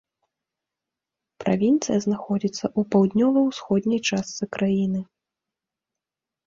Правінцыя знаходзіцца ў паўднёва-ўсходняй частцы краіны.